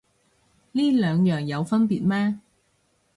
呢兩樣有分別咩